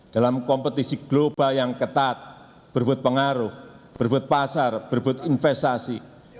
dalam kompetisi global yang ketat berbuat pengaruh berbuat pasar berbuat investasi